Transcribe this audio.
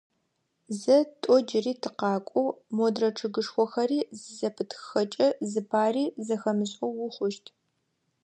Зэ, тӏо джыри тыкъакӏоу, модрэ чъыгышхохэри зызэпытхыхэкӏэ, зыпари зэхэмышӏэу ухъущт.